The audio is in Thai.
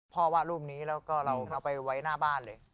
วาดรูปนี้แล้วก็เราเอาไปไว้หน้าบ้านเลย